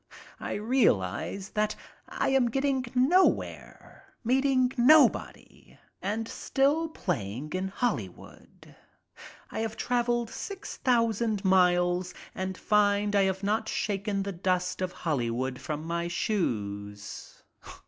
I realize that I am getting nowhere, meeting nobody and still playing in Hollywood. I have traveled 6,000 miles and find I have not shaken the dust of Hollywood from my shoes.